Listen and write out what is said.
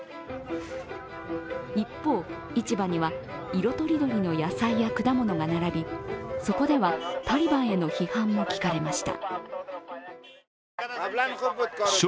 一方、市場には色とりどりの野菜や果物が並びそこではタリバンへの批判も聞かれました。